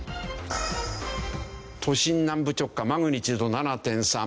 都心南部直下マグニチュード７．３。